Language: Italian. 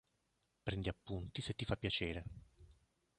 Prendi appunti se ti fa piacere".